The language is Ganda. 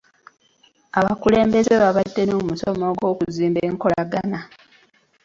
Abakulembeze baabadde n'omusomo gw'okuzimba enkolagana.